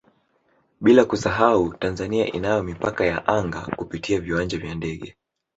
Bila kusahau Tanzania inayo Mipaka ya Anga kupitia viwanja vya ndege